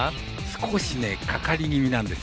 少しかかり気味なんです。